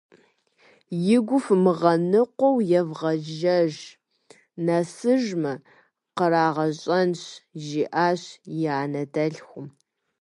Игу фымыгъэныкъуэу евгъэжьэж, нэсыжмэ, къырагъэщӏэнщ, - жиӏащ и анэ дэлъхум.